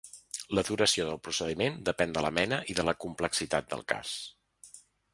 La duració del procediment depèn de la mena i de la complexitat del cas.